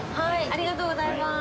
ありがとうございます。